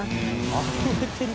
あふれてる。